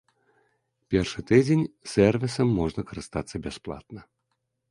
Першы тыдзень сэрвісам можна карыстацца бясплатна.